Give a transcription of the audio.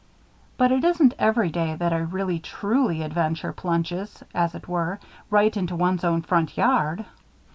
But it isn't every day that a really, truly adventure plunges, as it were, right into one's own front yard.